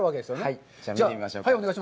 はい、じゃあ見てみましょうか。